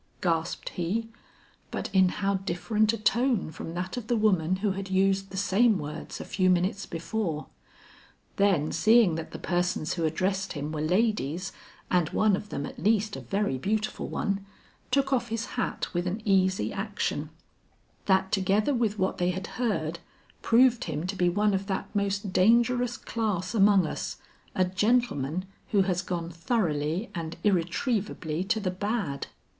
gasped he, but in how different a tone from that of the woman who had used the same words a few minutes before. Then seeing that the persons who addressed him were ladies and one of them at least a very beautiful one, took off his hat with an easy action, that together with what they had heard, proved him to be one of that most dangerous class among us, a gentleman who has gone thoroughly and irretrievably to the bad.